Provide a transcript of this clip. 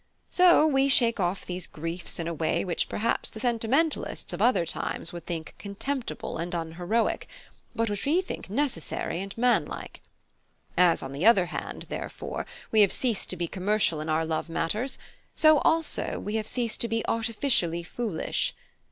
So we shake off these griefs in a way which perhaps the sentimentalists of other times would think contemptible and unheroic, but which we think necessary and manlike. As on the other hand, therefore, we have ceased to be commercial in our love matters, so also we have ceased to be artificially foolish.